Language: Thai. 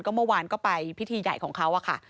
เมื่อวานก็ไปพิธีใหญ่ของเขาอะค่ะ